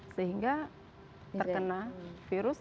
sehingga terkena virus